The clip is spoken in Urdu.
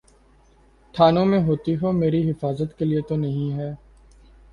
تھانوں میں ہوتی ہو، میری حفاظت کے لیے تو نہیں ہے۔